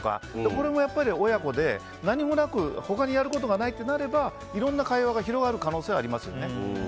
これも親子で他にやることがないとなればいろんな会話が広がる可能性がありますよね。